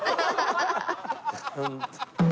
ホント。